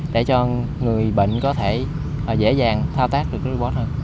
để cho người bệnh có thể dễ dàng thao tác được tốt hơn